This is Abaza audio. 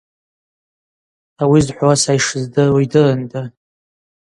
Ауи зхӏвауа са йшыздыруа йдырында.